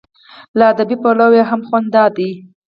له ادبي پلوه یې هم خوند دا دی.